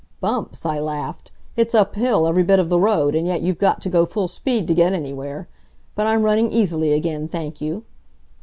"Bumps!" I laughed, "it's uphill every bit of the road, and yet you've got to go full speed to get anywhere. But I'm running easily again, thank you."